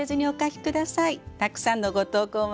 たくさんのご投稿